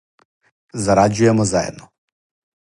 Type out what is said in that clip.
Зарађујемо заједно